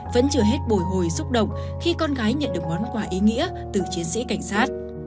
vẫn chưa hết bồi hồi xúc động khi con gái nhận được món quà ý nghĩa từ chiến sĩ cảnh sát